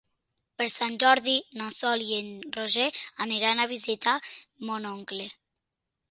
Per Sant Jordi na Sol i en Roger aniran a visitar mon oncle.